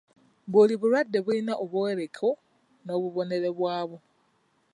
Buli bulwadde bulina obwoleko n'obubonero bwabwo.